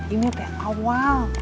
ini teh awal